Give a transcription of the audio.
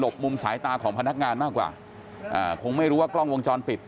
มุมสายตาของพนักงานมากกว่าอ่าคงไม่รู้ว่ากล้องวงจรปิด